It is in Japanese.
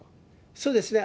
そうですね。